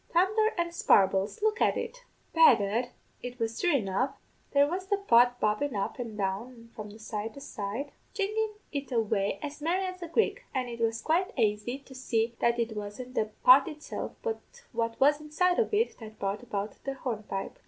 Thundher and sparbles, look at it!' "Begad, it was thrue enough; there was the pot bobbin' up an' down and from side to side, jiggin' it away as merry as a grig; an' it was quite aisy to see that it wasn't the pot itself, but what was inside of it, that brought about the hornpipe.